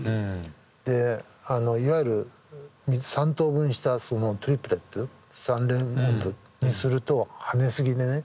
でいわゆる３等分したトリプレット３連音符にすると跳ねすぎでね